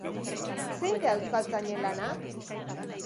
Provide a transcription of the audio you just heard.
Zein da euskaltzainen lana?